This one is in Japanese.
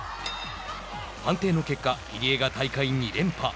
判定の結果入江が大会２連覇。